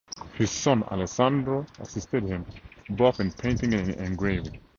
His son Alessandro assisted him both in painting and in engraving.